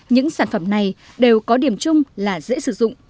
những sản phẩm này đều có điểm chung là dễ sử dụng